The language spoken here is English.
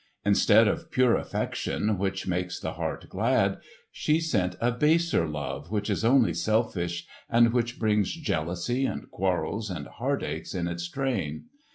Instead of pure affection which makes the heart glad, she sent a baser love which is only selfish and which brings jealousy and quarrels and heart aches in its train.